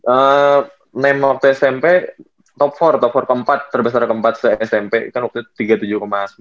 eh name waktu smp top empat top empat keempat terbesar keempat smp kan waktu itu tiga puluh tujuh sembilan puluh lima